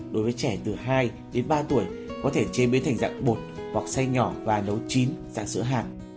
đối với trẻ từ hai đến ba tuổi có thể chế biến thành dạng bột hoặc say nhỏ và nấu chín dạng sữa hạt